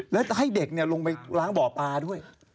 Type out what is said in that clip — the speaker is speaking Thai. แล้วให้เด็กลงไปล้างบ่อปลาด้วย